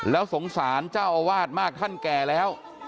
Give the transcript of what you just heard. แล้วสงสารเจ้าอาวาสมากท่านแก่แล้ว